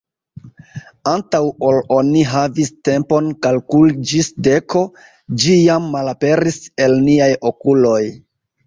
Antaŭ ol oni havis tempon kalkuli ĝis deko, ĝi jam malaperis el niaj okuloj.